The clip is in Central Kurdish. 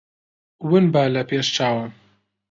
ون بە لە پێش چاوم.